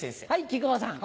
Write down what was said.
木久扇さん。